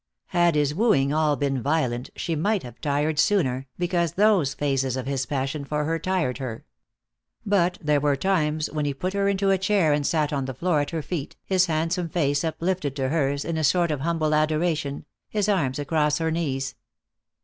Had his wooing all been violent she might have tired sooner, because those phases of his passion for her tired her. But there were times when he put her into a chair and sat on the floor at her feet, his handsome face uplifted to hers in a sort of humble adoration, his arms across her knees.